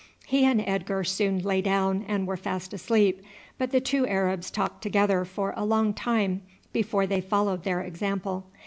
He and Edgar soon lay down and were fast asleep, but the two Arabs talked together for a long time before they followed their example.